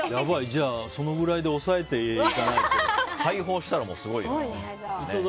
じゃあそのくらいで抑えていかないと解放したらすごいよ。